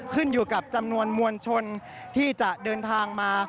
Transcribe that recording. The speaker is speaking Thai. ขึ้นอยู่กับจำนวนมวลชนที่จะเดินทางมา